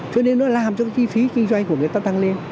cho nên nó làm cho chi phí kinh doanh của người ta tăng lên